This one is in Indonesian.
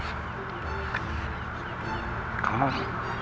bapak tolong jangan ini